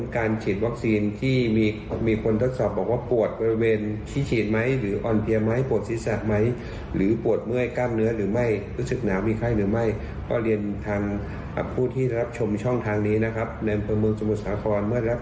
การฉีดวัคซีนแน่นอนก็เป็นการเพิ่มภูมิคุ้มกันแล้วก็ดีกับตัวเธอและคนรอบข้าง